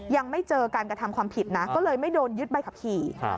ยังไม่เจอการกระทำความผิดนะก็เลยไม่โดนยึดใบขับขี่